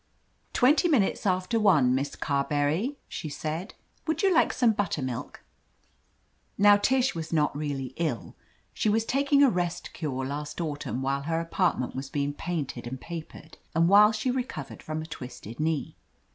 "Twenty minutes after one. Miss Carberry," she said. "Would you like some buttermilk?" Now Tish was not really ill. She was tak ing a rest cure last autumn while her apart ment was being painted and papered, and while she recovered from a twisted knee.